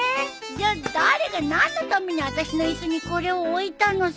じゃあ誰が何のためにあたしの椅子にこれを置いたのさ。